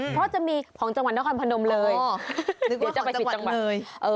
เพราะจะมีของจังหวัดนครพนมเลยนึกว่าของจังหวัดเลย